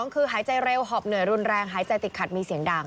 คือหายใจเร็วหอบเหนื่อยรุนแรงหายใจติดขัดมีเสียงดัง